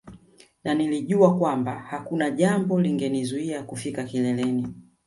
Na nilijua kwamba hakuna jambo lingenizuia kufika kileleni